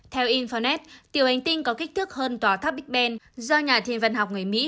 theo infonet tiểu hành tinh có kích thước hơn tháp bích bèn do nhà thiên văn học người mỹ